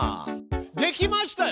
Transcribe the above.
できましたよ！